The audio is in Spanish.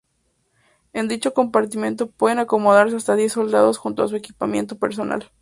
En dicho compartimento puede acomodarse hasta diez soldados junto a su equipamiento personal.